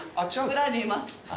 裏にいます。